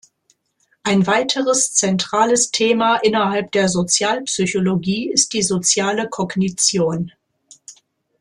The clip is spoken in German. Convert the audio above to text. Ein weiteres zentrales Thema innerhalb der Sozialpsychologie ist die soziale Kognition.